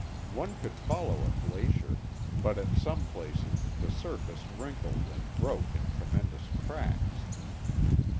One could follow a glacier, but at some places the surface wrinkled and broke in tremendous cracks.